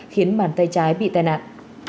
khiến bàn tay trái bị tai nạn